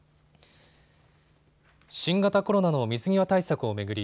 新型コロナの水際対策を巡り